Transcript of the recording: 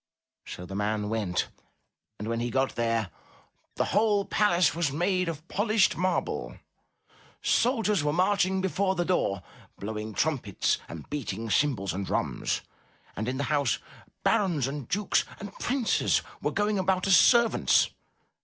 So the man went, and when he got there, the whole palace was made of polished marble, soldiers were marching before the door, blowing trumpets and beating cymbals and drums, and in the house barons and dukes and princes were going about as servants.